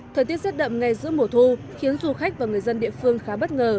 thời tiết rét đậm ngay giữa mùa thu khiến du khách và người dân địa phương khá bất ngờ